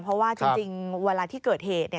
เพราะว่าจริงเวลาที่เกิดเหตุ